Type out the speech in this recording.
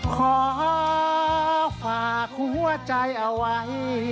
ขอฝากหัวใจเอาไว้